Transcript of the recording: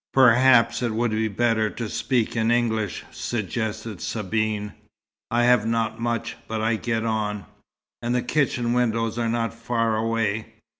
"Perhaps it would be better to speak in English," suggested Sabine. "I have not much, but I get on. And the kitchen windows are not far away.